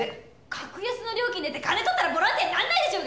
格安の料金でって金取ったらボランティアになんないでしょうが！